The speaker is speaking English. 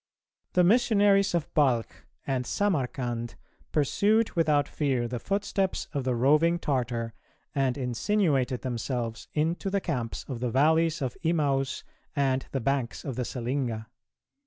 The missionaries of Balch and Samarcand pursued without fear the footsteps of the roving Tartar, and insinuated themselves into the camps of the valleys of Imaus and the banks of the Selinga."